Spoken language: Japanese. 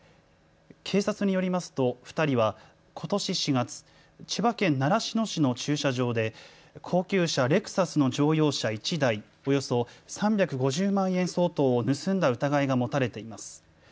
警察によりますと２人はことし４月、千葉県習志野市の駐車場で高級車レクサスの乗用車１台、およそ３５０万円相当を盗んだ疑いが持たれています。